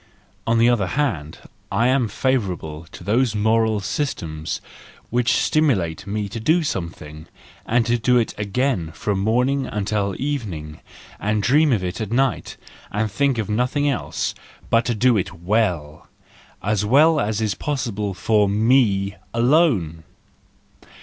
On the other hand I am favourable to those moral systems which stimulate me to do something, and to do it again from morning till evening, and dream of it at night, and think of nothing else but to do it well , as well as it is possible for me alone!